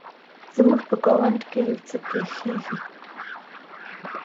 زموږ په ګاونډ کې يو څه پیښیږي